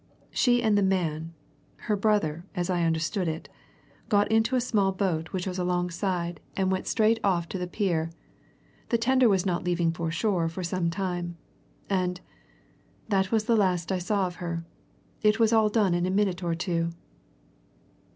She and the man her brother, as I understood got into a small boat which was alongside and went straight off to the pier: the tender was not leaving for shore for some time. And that was the last I saw of her. It was all done in a minute or two."